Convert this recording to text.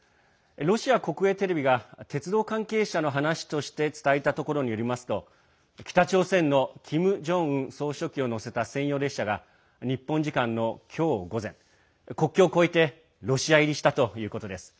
ロシア国営テレビが鉄道関係者の話として伝えたところによりますと北朝鮮のキム・ジョンウン総書記を乗せた専用列車が日本時間の今日午前国境を越えてロシア入りしたということです。